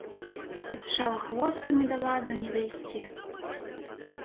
З шалахвостамі да ладу не дайсці.